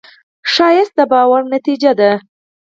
ښایست د باور نتیجه ده